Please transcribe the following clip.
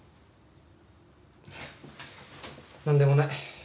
いや。何でもない。